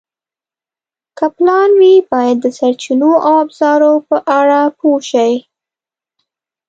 که پلان وي، باید د سرچینو او ابزارو په اړه پوه شئ.